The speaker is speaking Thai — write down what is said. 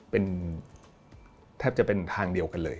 เป็นแทบจะเป็นทางเดียวกันเลย